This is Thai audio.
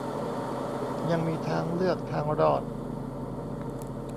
ยังมีทางเลือกทางรอด